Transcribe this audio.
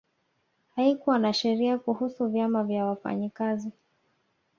Haikuwa na sheria kuhusu vyama vya wafanyakazi